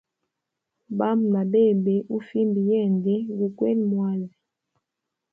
Bamba na bebe ufimba yende gukwele mwazi.